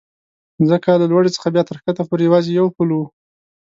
ځکه له لوړې څخه بیا تر کښته پورې یوازې یو پل و.